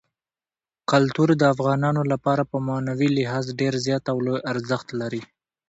کلتور د افغانانو لپاره په معنوي لحاظ ډېر زیات او لوی ارزښت لري.